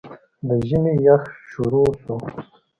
د ژمي يخ شورو شو